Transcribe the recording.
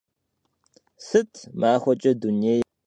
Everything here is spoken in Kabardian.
Sıt maxueç'e dunêyr zığenexur?